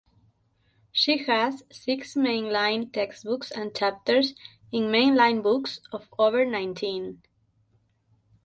She has six mainline textbooks and chapters in mainline books of over nineteen.